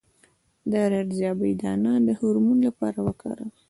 د رازیانې دانه د هورمون لپاره وکاروئ